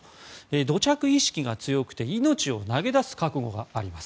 土着意識が強くて命を投げ出す覚悟があります。